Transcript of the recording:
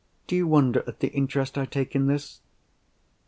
Do you wonder at the interest I take in this?"